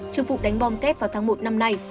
trước vụ đánh bom kép vào tháng một năm nay